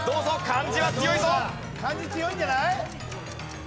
漢字強いんじゃない？